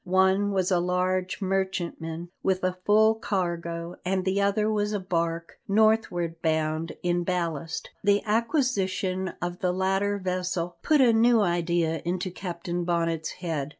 One was a large merchantman, with a full cargo, and the other was a bark, northward bound, in ballast. The acquisition of the latter vessel put a new idea into Captain Bonnet's head.